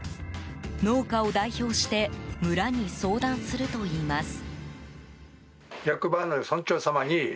農家を代表して村に相談するといいます。